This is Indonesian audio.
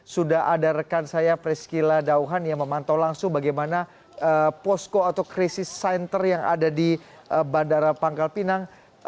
sudah ada rekan saya priscila dauhan yang memantau langsung bagaimana posko atau krisis center yang ada di bandara pangkal pinang